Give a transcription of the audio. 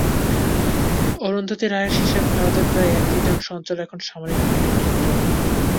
অরুন্ধতী রায়ের হিসাবে, ভারতের প্রায় এক-তৃতীয়াংশ অঞ্চল এখন সামরিক বাহিনীর নিয়ন্ত্রণে।